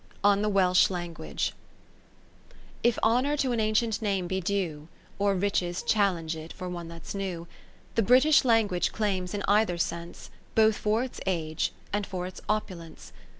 On the Welsh Language If Honour to an ancient name be due, Or Riches challenge it for one that's new, The British language claims in either sense, Both for its age, and for its opulence.